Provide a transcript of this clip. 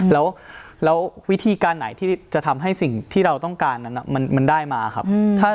แล้ววิธีการไหนที่จะทำให้สิ่งที่เราต้องการนั้นมันได้มาครับ